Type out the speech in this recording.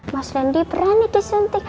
mas lendi berani disuntik